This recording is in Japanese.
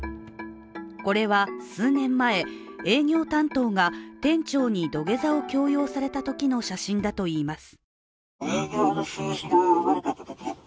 これは数年前、営業担当が店長に土下座を強要されたときの写真だといいます。